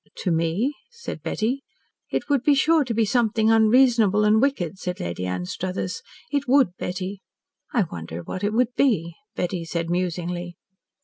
"To me?" said Betty. "It would be sure to be something unreasonable and wicked," said Lady Anstruthers. "It would, Betty." "I wonder what it would be?" Betty said musingly.